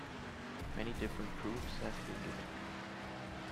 Many different proofs have been given.